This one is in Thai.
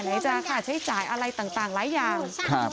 ไหนจะค่าใช้จ่ายอะไรต่างหลายอย่าง